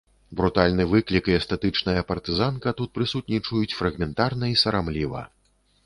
Брутальны выклік і эстэтычная партызанка тут прысутнічаюць фрагментарна і сарамліва.